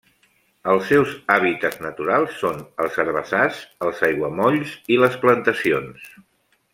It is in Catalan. Els seus hàbitats naturals són els herbassars, els aiguamolls i les plantacions.